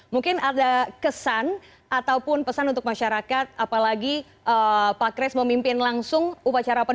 mungkin ada kesan ataupun pesan untuk masyarakat apalagi pak kris memimpin langsung upacara